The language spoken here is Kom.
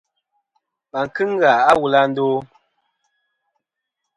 Và kɨŋ ghà a wul à ndo ?